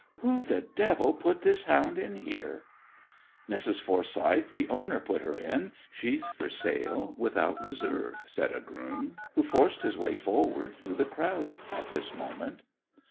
Who the devil put this hound in here?" "Mrs. Forsyth, the owner, put her in; she's for sale, without reserve," said a groom, who forced his way forward through the crowd at this moment.